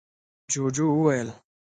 ُجوجُو وويل: